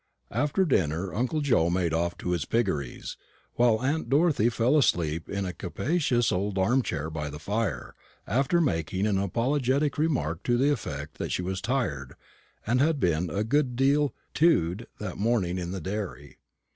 After dinner uncle Joe made off to his piggeries; while aunt Dorothy fell asleep in a capacious old arm chair by the fire, after making an apologetic remark to the effect that she was tired, and had been a good deal "tewed" that morning in the dairy.